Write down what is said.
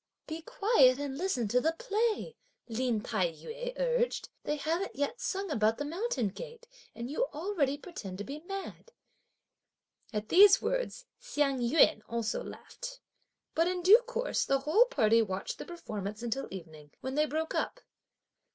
"Be quiet, and listen to the play," Lin Tai yü urged; "they haven't yet sung about the mountain gate, and you already pretend to be mad!" At these words, Hsiang yün also laughed. But, in due course, the whole party watched the performance until evening, when they broke up.